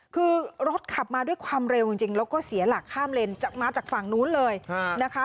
คือรถขับมาด้วยความเร็วจริงแล้วก็เสียหลักข้ามเลนมาจากฝั่งนู้นเลยนะคะ